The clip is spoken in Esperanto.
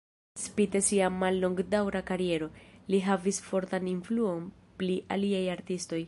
Spite sia mallongdaŭra kariero, li havis fortan influon pli aliaj artistoj.